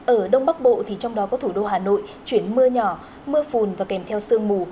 ở đông bắc bộ thì trong đó có thủ đô hà nội chuyển mưa nhỏ mưa phùn và kèm theo sương mù